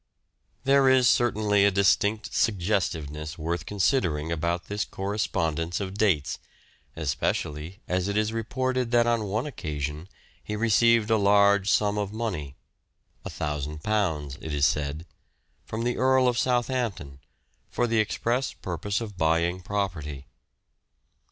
There is certainly a distinct suggestiveness worth considering about this correspondence of dates, especially as it is reported that on one occasion he received a large sum of money (£1000, it is said) from the Earl of Southampton for the express purpose of buying property.